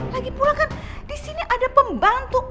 lagipula kan di sini ada pembantu